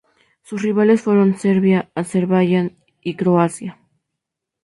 Sus rivales fueron Serbia, Azerbaiyán y Croacia.